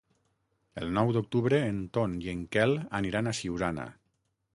El nou d'octubre en Ton i en Quel aniran a Siurana.